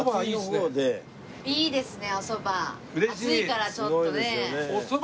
暑いからちょっとね。